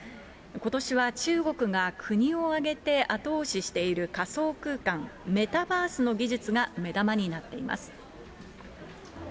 ことしは中国が国を挙げて後押ししている仮想空間・メタバースの技術が目玉になっています。